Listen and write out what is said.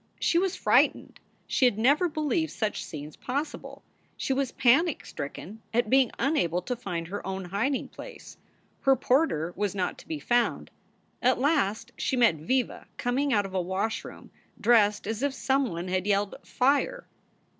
She was frightened. She had never believed such scenes possible. She was panic stricken at being unable to find her own hiding place. Her porter was not to be found. At last she met Viva coming out of a wash room, dressed as if some one had yelled "Fire."